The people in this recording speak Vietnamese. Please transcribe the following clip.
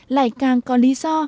lại càng có lý do